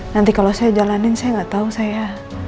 nanti kalau saya jalanin saya gak tau saya